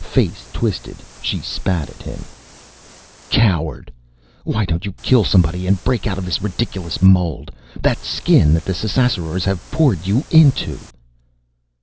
Face twisted, she spat at him, "Coward! Why don't you kill somebody and break out of this ridiculous mold that Skin that the Ssassarors have poured you into?"